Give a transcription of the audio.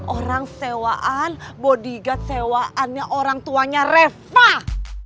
orang sewaan bodyguard sewaannya orangtuanya refah